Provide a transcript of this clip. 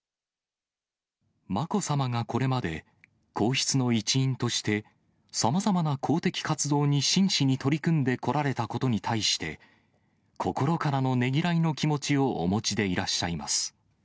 まこさまがこれまで、皇室の一員として、さまざまな公的活動に真摯に取り組んでこられたことに対して、心からのねぎらいの気持ちをお持ちでいらっしゃいます。